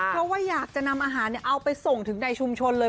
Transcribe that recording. เพราะว่าอยากจะนำอาหารเอาไปส่งถึงในชุมชนเลย